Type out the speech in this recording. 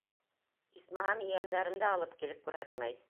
Исмаһам, ейәндәремде алып килеп күрһәтмәй.